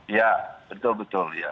iya betul betul iya